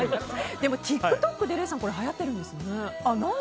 でもＴｉｋＴｏｋで礼さんはやってるんですよね。